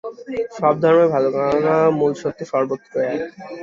সব ধর্মই ভাল, কেননা মূল সত্য সর্বত্রই এক।